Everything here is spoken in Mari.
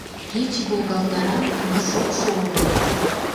Кече волгалтара, но шокшо огыл.